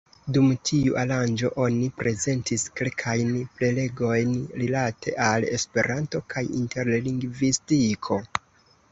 Dum tiu aranĝo oni prezentis kelkajn prelegojn rilate al Esperanto kaj interlingvistiko.